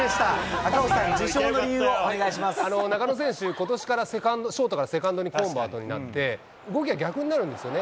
赤星さん、中野選手、ことしからセカンド、ショートからセカンドにコンバートになって、動きが逆になるんですよね。